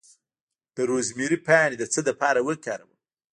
د روزمیری پاڼې د څه لپاره وکاروم؟